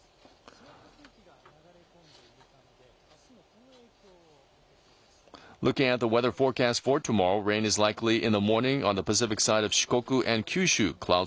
湿った空気が流れ込んでいるためで、あすもこの影響を受けそうです。